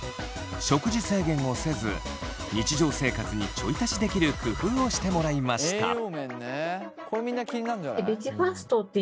食事制限をせず日常生活にちょい足しできる工夫をしてもらいました。